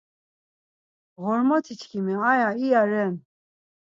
Ğormotiçkimi, aya iya ren.